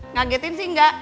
ngagetin sih enggak